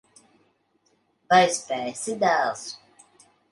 Vai spēsi, dēls?